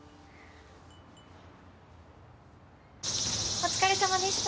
お疲れ様でした。